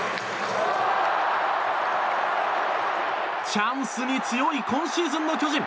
チャンスに強い今シーズンの巨人。